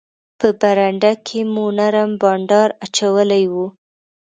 په برنډه کې مو نرم بانډار اچولی وو.